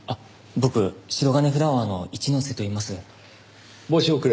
僕白金フラワーの一之瀬といいます。